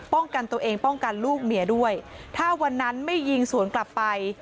ป้องกันตัวเองป้องกันลูกเมียด้วยถ้าวันนั้นไม่ยิงสวนกลับไป